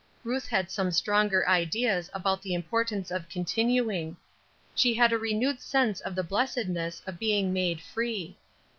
Ruth had some stronger ideas about the importance of "continuing." She had a renewed sense of the blessedness of being made "free."